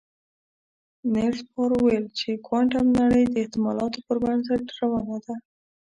نيلز بور ویل چې کوانتم نړۍ د احتمالاتو پر بنسټ روانه ده.